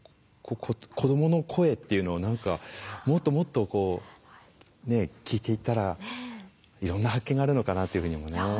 子どもの声っていうのを何かもっともっとこうねっ聞いていったらいろんな発見があるのかなというふうにもね。